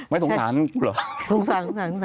ไม่สงสารทั้งคู่เหรอ